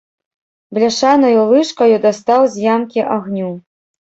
Бляшанаю лыжкаю дастаў з ямкі агню.